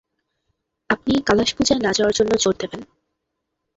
আপনি কালাশ পূজায় না যাওয়ার জন্য জোর দেবেন।